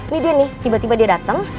nih dia nih tiba tiba dia dateng